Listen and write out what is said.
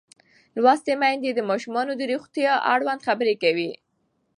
لوستې میندې د ماشومانو د روغتیا اړوند خبرې کوي.